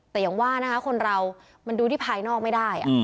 แต่อย่างว่านะคะคนเรามันดูที่ภายนอกไม่ได้